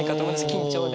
緊張で。